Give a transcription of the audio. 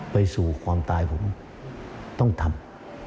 ไปสู่ความตายผมต้องทำ